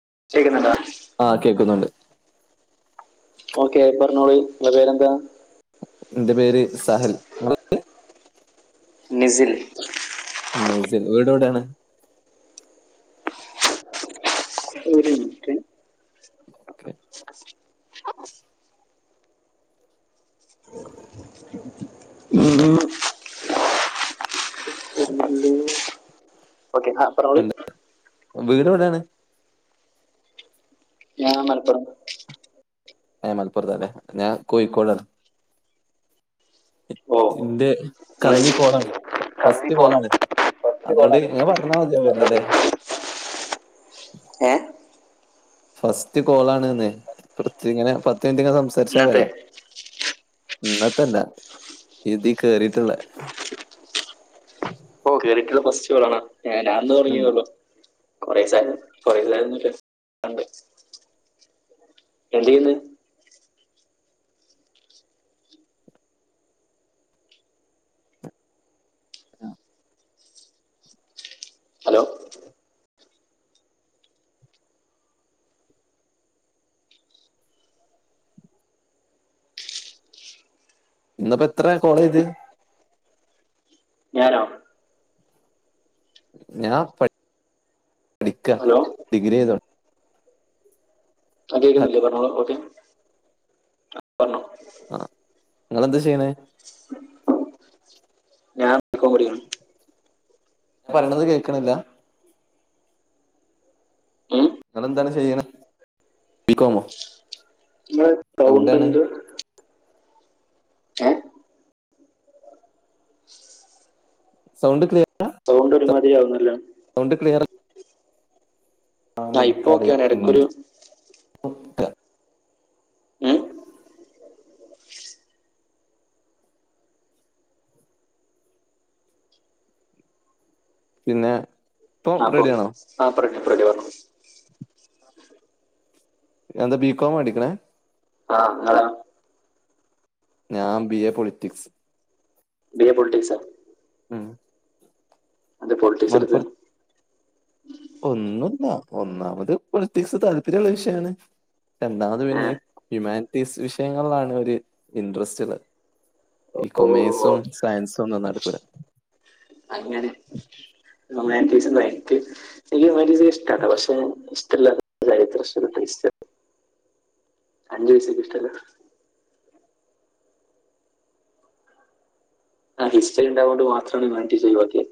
[unintelligible] ആ കേൾക്കുന്നുണ്ട് ഓക്കെ പറഞ്ഞോളി ഇങ്ങടെ പേരെന്താ? എന്റെ പേര് സഹൽ [unintelligible] നിസിൽ നസിൽ വീടവിടാണ്? ഒരു മിനിട്ട്. ഓക്കെ [unintelligible] ഓക്കെ ആ പറഞ്ഞോളി വീടെവിടെയാണ്? ഞാൻ മലപ്പുറം. ഏ മലപ്പുറത്താലേ ഞാൻ കോഴിക്കോടാണ്. ഓ ഇന്റെ നിങ്ങൾ കന്നി കോളാണ് കമ്പി ഫസ്റ്റ് പോണം കോളാണ്. ഫസ്റ്റ് അതുകൊണ്ട് കോളാണ് ഇങ്ങ പറഞ്ഞാ മതിയാവുല്ലല്ലേ? ഏ? ഫസ്റ്റ് കോളാണ്ന്ന് പ്രേത്യങ്ങനെ പത്ത് മിനിറ്റിങ്ങനെ സംസാരിച്ചാ ഇന്നത്തെ പോരെ? ഇന്നത്തല്ല ഇതി കേറിട്ടൊള്ളെ. ഓ കേറിട്ടൊള്ള ഫസ്റ്റ് കോളാണോ ഞാന്ന് ഉം. തൊടങ്ങിതേള്ളു. കൊറേസാന്നു കൊറേ ഇല്ലായിരുന്നെല്ലാ എന്ത്‌ ചെയ്യ്ന്ന്? ഹലോ ഇന്നപ്പത്ര കോളേയ്ത്? ഞാനോ? ഞാൻ പ ഠിക്ക ഹലോ ഡിഗ്രി ചെയ്തോ ആ കേക്കുന്നില്ലെ പറഞ്ഞോളൂ ഒക്കെ. ആ നിങ്ങളെന്താ ചെയ്യണേ? ഞാൻ ബികോം പഠിക്കണ്. പറയണത് കേക്കണില്ല? നിങ്ങളെന്താണ് ചെയ്യണേ ബിക്കോമോ? മ്മളെ കൗണ്ടെന്തുവാ? സൗണ്ട് ക്ലിയറ ഒരു മാതിരിയാവുന്നല്ലോ. ണ്ട് ക്ലിയറൽ ആ ഇപ്പോക്കെയാണ് ഉം. എടക്കൊരു [unintelligible] [unintelligible] പിനെ അ പ്പോ ആ പറട്ട് എന്ത ബികോമഠിക്ണ്? അഹ് ങ്ങളോ ഞാം B A politics. B A പൊൾട്ടിക്സാ? ഉം അന്തേ പൊൾറ്റിക്സെട്ത്ത്? ഒന്നുല്ല ഒന്നാമത് പൊൾറ്റിക്സ് താല്പര്യള്ള വിഷയാണ്. രണ്ടാമത് പിന്നെ ഏഹ് ഈ ഹ്യുമാൻറ്റീസ് വിഷയങ്ങൾലാണ് ഒരു ഇൻട്രസ്റ്റ്ളേ. ഈ ഓ കൊമേസും സയൻസൊന്നും നടക്കൂല. ഹ്യുമാനിറ്റീസ് [unintelligible] എനിക്ക് ഹ്യൂമൻറ്റീസൊക്കെ ഇഷ്ട്ടാണ് പക്ഷേ ട്ടല്ല സയൻസും [inaudible] [unintelligible] അഞ്ചുപൈസക്കിഷ്ടല്ല. ആ ഹിസ്റ്ററിണ്ടാവോണ്ട് മാത്രാണ് ഹ്യുമാൻറ്റീസൊയ് വാക്കിയേ.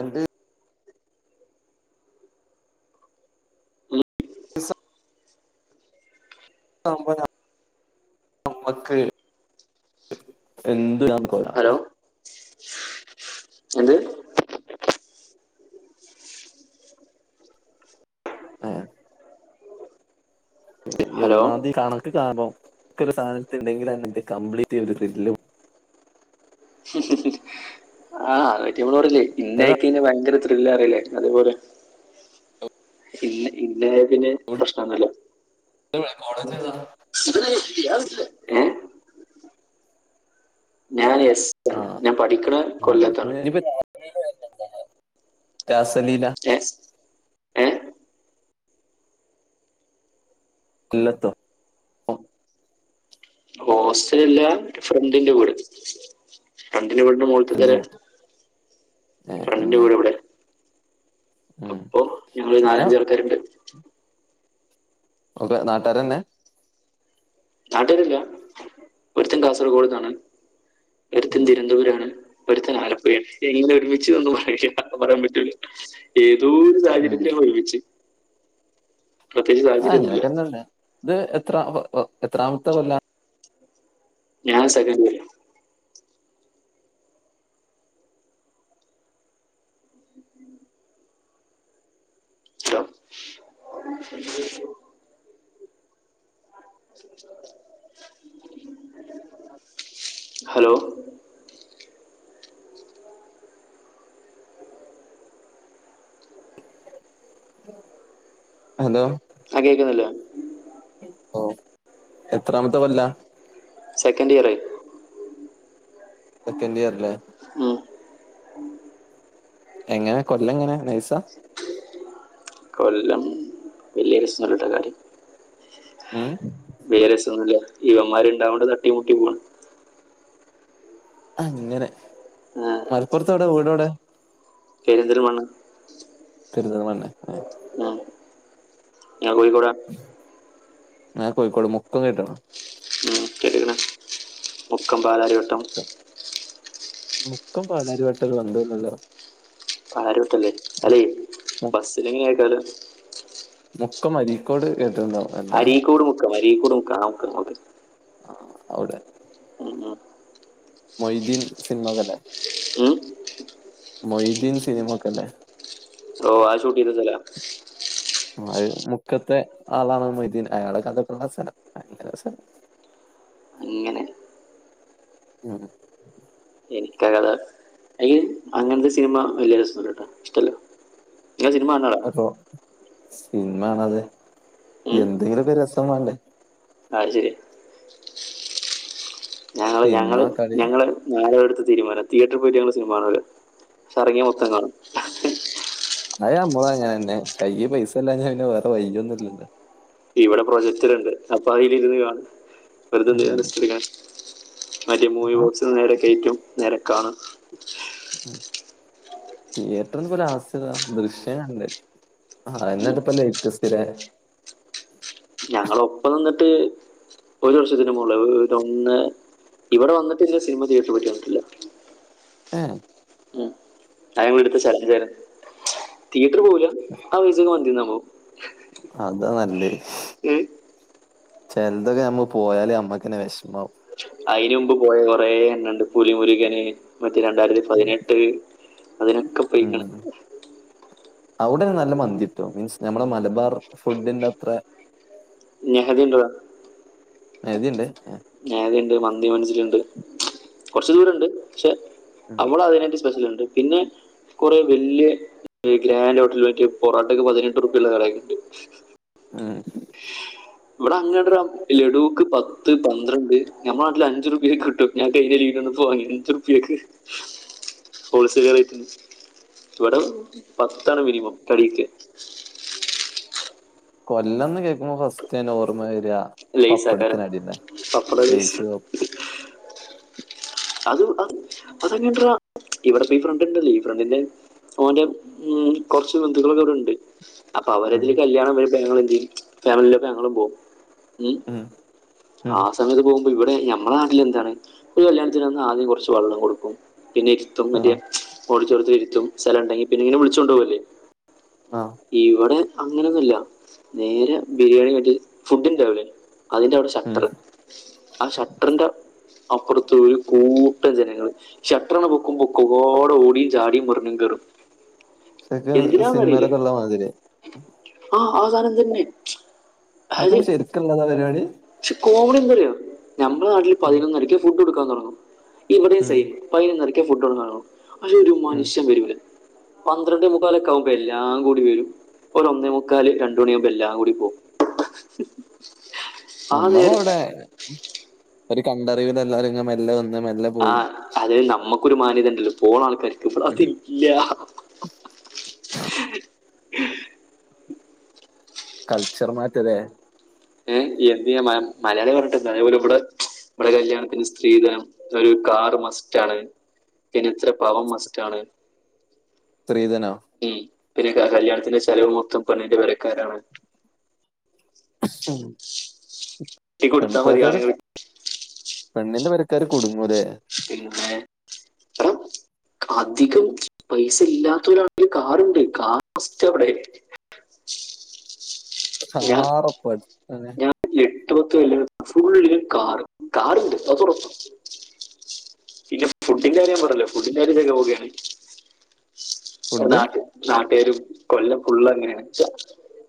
എന്ത് ഉം. ഇസ ട്ടോമ്പതാ നമ്മക്ക്‌ എന്ത് നാം കോട ഹലോ എന്ത് അയ ഈ ഹലോ ഒന്നാമതീ കണക്ക് കാൺമ്പം ക്ക്‌ ഒരു സാധൻത്തിണ്ടെങ്കിൽ അയ്ന്നതെ കംപ്ലീറ്റ് എയ്തിതെര്ലും [unintelligible] ഏതാ ഇന്നാക്കീന് ഭയങ്കര ത്രിലേറല്ലേ അത്പോലെ. പിന്നെ പിന്നെ പ്രശ് നൊന്നുല്ല. ട്ടണ് കോളേജേതാ? ഏ ഞാൻ യസ് ആ ഞാ പഠിക്കണ കൊല്ലത്താണ് തസ് ഏസ് കൊല്ലത്തോ ഹോസ്റ്റലല്ല ഫ്രണ്ടിന്റെ വീട് ഫ്രണ് ന്റെ വീടിന്റെ മോൾതെ പെരെ ഇല്ല ഏഹ് ഫ്രണ്ട്ന്റെ അങ്ങനെ. വീടെവ്ടെ ഉം ഞങ്ങള് ആ നാലഞ്ചൾക്കാര്ണ്ട് ഒക്കെ നാട്ടാരെന്നെ നാട്ടേരല്ല ഒര്ത്തൻ കാസർഗോട്ന്നാണ് ഒര്ത്തൻ ഉം. തിരുവനന്തുരാണ് ഒരുത്തൻ ആലപ്പുയേണ് എങ്ങനെ ഒരുമിച്ചു വന്നു പറയാൻ പറ്റൂല ഈ തോരു ഉം. സാഹചര്യത്തിലങ്ങൾ ഒരുമിച്ച് പ്രത്യേകിച്ച് ആ സാഹചര്യം ഒന്നുമില്ല അങ്ങനൊക്കെന്നുല്ല ഇത് എത്രാ എത്രമത്തെ കൊല്ലാ ഞാ സകന്റിയർ ഹലോ ഹലോ അഹ് കേക്ന്നില്ലേ ഓ എത്രാമത്തെകൊല്ല സെക്കൻറ്റിയറായി! സെക്കന്റിയർലെ ഉം. എങ്ങനെ കൊല്ല ങ്ങനെ നൈസ? കൊല്ലം വല്യരസന്നുല്ലട്ട കാര്യയ് മ് വേ രാസൊന്നുല്ല ഇവമ്മാര് ണ്ടായൊണ്ട് തട്ടിമുട്ടി പോണ് അങ്ങനെ മലപ്പുർത്തോടെ വീടോടെ പേരെന്തൽ മണ്ണ പെരിന്തൽമണ്ണെ എ ഞകോയികോടാ ഞാ കോഴിക്കോട് മുക്കന്ന്ട്ട് കേട്ടിരിക്കണ മുക്കം പാലാരിവട്ടം മുക്കം പലാരി വട്ടരു ബന്ധല്ലല്ലോ ആരോട്ടല്ലേ മു അല്ലേ മു ബസിലങ്ങയ് കാരം മുക്കം അരിക്കോട് കേ അരീകോട്മുക്കം അരീകോട് മുക്കം ആക്കൊന്ന ഒക്കെ ആ അവടെ മൊയ്ദീൻ സിനിമ കഥ മൊയ്ദീൻ സിൻമ കല്ലെ ഓ ആ ഷൂട്ടിനെ സല അഹ് മുക്കത്തെ ആളാണ് മൊയ്തീൻ അയാള കഥൊക്കള്ള സ്ഥലം അനെ സ്ഥലം അങ്ങനെ ആഹ [inaudible] അയ്ൻ അങ്ങനത്തെ സിനിമ [unintelligible] ഞാ സിനിമകണ്ടതാ അപ്പൊ സിനിമ ആണത് ഉം. എന്തെങ്കിലൊക്കെ രസം വെണ്ടേ? ആ ശരിയ, ഞങ്ങള് സിനിമ ഞങ്ങള് കളി ഞങ്ങള് നാലൊടു തീരുമാനം തിയേട്രി പോയിട്ട് ഞങ്ങങ്ങള് സിനിമാണൂല പർങ്ങിയ മൊത്തം കാണും അമ്മളു ങ്ങനെ കൈ പൈസല്ലഞ വേറെ വൈയ്യോന്നുല്ലല്ലോ ഇവിടെ പ്രൊജക്റ്ററ്ണ്ട് അപ്പൊ അയ്ല് രുന്ന് കാണും വെറുതെന്തിനാ ഉം. റിസ്ക്ട്ക്കണേ മറ്റെ മൂവി ആ ബോക്സിന്ന് നേരെ കയറ്റും നേരെക്കാണ് ഉം തിയേറ്ററിന് ലാസ്റ്റ്താ ദൃശ്യം കണ്ട് ആഹ് എന്നിട്ട് ഇപ്പം ലെസ്റ്റിസ്ലെ ഞങ്ങള് ഒപ്പം നിന്നിട്ട് ഒരു വർഷത്തിന് മോളിൽ ഒര് ഒന്ന ഇവിടെ വന്നിട്ട് ഇല്ല സിനിമ തിയേറ്റർ പോയി കണ്ടിട്ടില്ല. ആഹ് ഉം. ഞങ്ങൾ എടുത്ത ശരചാരം തിയേറ്റർ പോവൂല ആ പൈസക്ക് മന്തിന്നപോ അതാ നല്ലേ ഉം ചെലതൊക്കെ നഞമ്മ പോയാലേ നമ്മക്കനേ വിഷമാവും അതിന് മുമ്പ് പോയ കൊറെ എണണ്ട് പുലി മുരുകന് മറ്റേ രണ്ടായിരത്തി ഉം. പതിനെട്ട് അതിനൊക്കെ പോയിക്കണം ഉം. അവിടെ നല്ല മന്തിട്ടു മീൻസ് നഞമ്മള മലബാർ ഫുഡിന്റെ അത്ര നെഹതി എന്തുവാ ഇത്ണ്ട് മേഖുണ്ട് മന്തി മനൻസ്സിലുണ്ട് കൊറച്ചു ദൂരംണ്ട് പക്ഷെ ഉം. നമ്മള് അതിനായിട്ട് സ്പെഷ്യൽണ്ട് പിന്നെ കുറെ വല്യ ഗ്രാൻഡ് ഹോട്ടലക്കേ പൊറോട്ടക്ക് പതിനെട്ട് റുപ്യുള്ള കടയൊക്കെ ഉണ്ട്. ഉം. [unintelligible] ഇവിടെ അങ്ങ ലഡുക്ക് പത്ത് പന്ത്രണ്ട് ഞമ്മുടെ നാട്ടില് അഞ്ചു രൂപയൊക്കെ കിട്ടും ഞാൻ കഴിഞ്ഞ പതിനഞ്ചു റുപ്യാക്ക് ഹോൾസെയിൽ കടന് ഇവിടെ പത്താണ് മിനിമം തടിക്ക് കൊല്ലന്ന് കേൾക്കുമ്പോ ഫസ്റ്റ്തന്നെ ഓർമ്മ വരികാ ലേസക്കാരാ പപ്പട ലെയ്സ് ലേസ് പപ്പ- അത് അത് അതങ്ങ ഇവിടെപ്പ ഈ ഫ്രണ്ട്ണ്ടല്ലേ ഈ ഫ്രണ്ടിന്റെ ഒന്റെ ഉം കൊറച്ച് ബന്ധുക്കളൊക്കെ ഇവിടെണ്ട് അപ്പൊ ഉം, അവര്തില് കല്യാണം അവര് ഞങ്ങളും ചെയ്യും ഫാമിലിക്കെ ഞങ്ങളും പോവും ഉം ഉം, ആ സമയത്ത് പോകുമ്പോൾ ഇവിടെ നമ്മളെ നാട്ടിൽ എന്താണ് ഒരു കല്യാണത്തിന് വന്ന് ആദ്യം കുറച്ച് വെള്ളം കൊടുക്കും പിന്നെ ഇരുത്തും ആ മറ്റേ ഓടിറ്റൊറിയത്തിൽ ഇരുത്തും സ്ഥലം ഉണ്ടെങ്കി പിന്നെ ഇങ്ങനെ വിളിച്ചു കൊണ്ട് പോകില്ലെ ആ ഇവിടെ അങ്ങനെയൊന്നുല്ല നേരെ ബിരിയാണി അങ്ങട് ഫുഡ് ഇണ്ടാവൂലെ അതിന്റെ അവിടെ ഉം ഷട്ടർ ആ ഷട്ടറിന്റെ അപ്പുറത്ത് ഒരു കൂ ട്ടം ജനങ്ങൾ ഷട്ടറ് പൊക്കുമ്പോ ഒക്കെ പ്പാടെ ഓടിയും ചാടിയും മറിഞ്ഞും കേറും ഇത്ക്കെ സിൻമയിലേക്കെ ഉള്ള മാതിരി ആഹ് ആ സാധനം തന്നെ അതായത് അതും ശരിക്ക്ള്ളതാ പരിപാടി പക്ഷെ [unintelligible] നമ്മുടെ നാട്ടില് ഉം, പതിനൊന്നരക്ക് ഫുഡ് കൊടുക്കാൻതുടങ്ങും ഇവിടെ ഉം, സൈം പയിനൊന്നേരക്കെ ഫുഡ്‌ കൊടുക്കാനാകൂ പക്ഷേ ഒരു ഉം. മനുഷ്യൻ വരൂല്ല പന്ത്രണ്ട് മുക്കാലൊക്ക ആവുമ്പം എല്ലാം കൂടി വരും ഒരു ഒന്നേ മുക്കാല് രണ്ട് മണിയാകുമ്പം എല്ലാം കൂടി പോകും ആ നമ്മളെ നേരം ഇവിടെ ഒരു കണ്ടറിവിന് എല്ലരും ങ്ങനെ മെല്ലേ വന്ന് മെല്ലെ പോയി ആഹ് അത് നമ്മക്കൊരു മാന്യത ഉണ്ടല്ലോ പോണ ആൾക്കാർക്ക് അതില്ല [inaudible] കൾച്ചർ മാറ്റലെ ഏഹ് എന്ത് ചെയ്യ മലയാളിന് പറഞ്ഞിട്ട് അതേപോലെ ഇവിടെ നമ്മളെ കല്യാണത്തിന് സ്ത്രീധനം ഒരു കാർ മസ്റ്റ് ആണ് പിന്നേ ഇത്ര പവൻ മസ്റ്റാണ് സ്ത്രീധനോ പിന്നെ കല്യാണത്തിന്റെ ചെലവും മൊത്തം പെണ്ണിന്റെ പെരക്കാരാണ് [inaudible] കെട്ടി കൊടുത്താ മതി പെൺപേക്കാര് ആണുങ്ങൾക്ക് പെണ്ണിന്റെ പെരക്കാര് കുടുങ്ങുലെ പിന്നെ അധികം പൈസ ഇല്ലാത്തവരാണെങ്കിലും കാറുണ്ട് കാസ്റ്റ് എവിടെ [inaudible] സാറ് പ്രൊജക്റ്റെന്നെ ഞാൻ [unintelligible] ഫുള്ളിലും കാറ് കാറ്ണ്ട് അത് ഉറപ്പാ പിന്നെ ഫുഡിന്റെ കാര്യം പറഞ്ഞല്ലോ ഫുഡിന്റെ കാര്യം ഗോബിയാണ് ഫുഡ് നാട്ട് നാട്ടേരും കൊല്ലം ഫുള്ളങ്ങനെണ്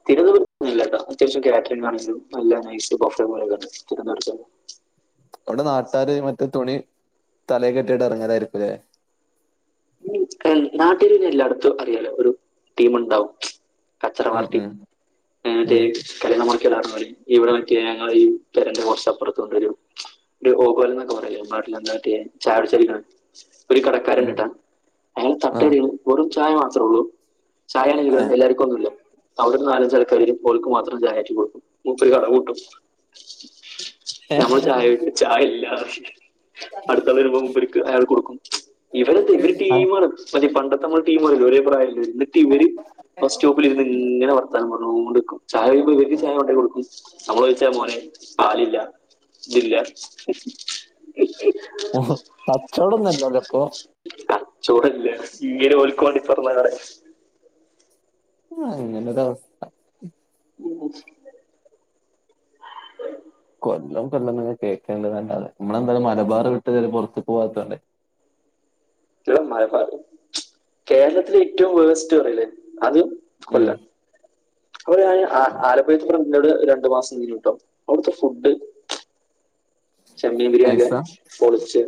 തിരുവന ഇല്ലല്ല അത്യാവശ്യം കാറ്ററിങ്ങാണെങ്കിലും നല്ല നൈസ് ബഫെ പോല തന്നെ തിരുവനന്തപുരത്തെത്‌. അവടെ നാട്ടാര് മറ്റേ തുണി തലെ കെട്ടിട്ട് എറങ്ങലായിരിക്കും ലെ നാട്ടേര് എല്ലാടത്തും അറിയാല്ലോ ഒരു ടീമ്ണ്ടാവും കച്ചറ ഉം, പാർട്ടി ഉം, [unintelligible] ഉം, കല്ല്യാണ മൊട- ക്കി ഓല് ഇവിടെ മറ്റേ ഞങ്ങള് ഈ പെരന്റെ കൊറച്ചപ്പറത്ത്ണ്ടൊരു ഒരു ഓഗാലം എന്നൊക്കെ പറയലില്ലേ നാട്ടില് എന്താ മറ്റേ ചായുടിച്ചല്ന് ഒരു ഉം. കടക്കാരണ്ട്ട്ടാ അയാളെ ആ തട്ടടേണ് വെറും ചായ മാത്രം ഉള്ളൂ ചായ ആണെങ്കിലോ ഏ? എല്ലാര്ക്കൊന്നുല്ല അവിടൊരു നാലഞ്ചു ഞ്ചു ആൾകാര് വരും ഓല്ക്ക് മാത്രം ചായ ആറ്റി കൊടുക്കും മൂപ്പര് കട പൂട്ടും ഏ? ഞമ്മള് ചായചോയ്ക്കും ചായ ഇല്ലാറിം അടുത്താളു വരുമ്പം മൂപർക്ക് അയാള്ക്ക് കൊടുക്കും ഇവരെന്താ ഇവര് ആ ടീമാണ് അല്ലെ പണ്ട് ടീം വരൂലേ ഒരേ പ്രായള്ളോര് എന്നിട്ടിവര് ബസ്സ്റ്റോപ്പിൽ ഇര്ന്ന്ങ്ങനെ വർത്താനം പറയ നോമ്പ്ടുക്കും. ചായ ചോയ്ക്കുമ്പോ ഇവര്ക്ക് ചായ കൊണ്ടെയ് കൊടുക്കും നമ്മള് ചോയിച്ച മോനെ പാലില്ല ഇതില്ല മ് കച്ചോടൊന്നല്ലലെ അപ്പൊ ചൂടല്ലേ ഇങ്ങനെ ഓല്ക്കുവാണ്ടി തുറന്ന കടയ ആ ഇങ്ങനൊരവസ്ഥ [inaudible] കൊല്ലം കൊല്ലം ഇങ്ങനെ കേക്ക്ണ്ട്ന്നല്ലാതെ നമ്മളെന്തായാലും മലബാറ് വിട്ട് ഇത് വരെ പൊറത്ത്‌ക്ക് പോവാതോണ്ടെ. [inaudible] [unintelligible] മലബാറ് കേരളത്തില് ഏറ്റവും വേഴ്സ്റ്റ് പറയില്ലേ, അത് ഉം കൊല്ലം. അവ്ട്ന്ന് ആലപ്പൊഴക്ക് എത്രണ്ട് ഇന്നോട് രണ്ടു മാസം [unintelligible] അവിട്ത്തെ ഫുഡ് ചെമ്മീൻ ബിരിയാണില്ലേ, നൈസാ പൊളിച്ച്.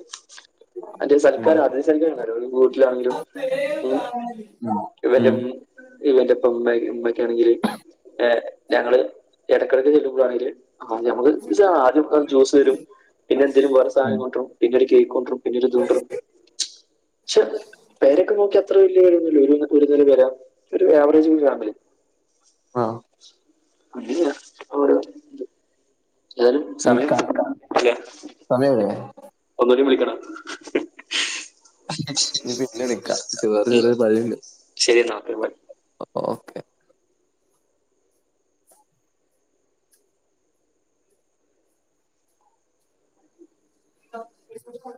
അതെ ഉം സൽക്കാരം [unintelligible] വീട്ടിലാണങ്കിലും [inaudible] ഉം [unintelligible] ഇവന്റെറപ്പ ഇമ്മെ ഇമ്മെക്കാണെങ്കില്, ഞങ്ങള് എടെക്കെടക്ക് ചെല്ലുമ്പളാണെങ്കില് ആ ഞമ്മള് [unintelligible] ആദ്യം പ്പൊ ജ്യൂസ് വരും, പിന്നെ എന്തേലും വേറെ സാനം ഉം കൊണ്ടരും, പിന്നൊരു കേക്കൊണ്ടരും പിന്നൊരുത് കൊണ്ടരും. പക്ഷെ പെരൊക്കെ നോക്ക്യ അത്ര വല്ല്യേരുതൊന്നുല്ല ഒരു ഒരുനില പെര, ഒരു ആവറേജ് ഫാമിലി ആ അങ്ങന്യ [inaudible] ഏതേലും ഈ സമയം ക [unintelligible] സമയായില്ലേ ഒന്നുടിം വിളിക്കണോ? [unintelligible] ഇനി പിന്നെ വിളിക്ക സുഗായിട്ട് ഉം ചെറ്യേരു പണിയ്ണ്ട്, ശരി എന്നാ ഓക്കെ ബൈ [inaudible] [inaudible]